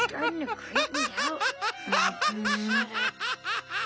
アハハハ！